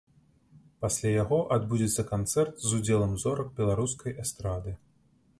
Пасля яго адбудзецца канцэрт з удзелам зорак беларускай эстрады.